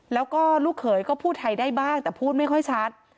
แล้วก็ลูกเขยก็พูดไทยได้บ้างแต่พูดไม่ค่อยชัด